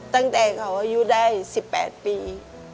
ตั้งแต่เขาอายุได้๑๘ปี